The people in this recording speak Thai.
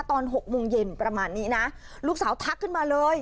หกโมงเย็นประมาณนี้นะลูกสาวทักขึ้นมาเลย